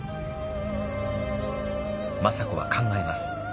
政子は考えます。